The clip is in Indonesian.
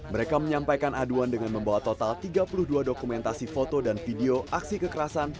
mereka menyampaikan aduan dengan membawa total tiga puluh dua dokumentasi foto dan video aksi kekerasan